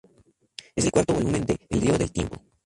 Es el cuarto volumen de "El río del tiempo".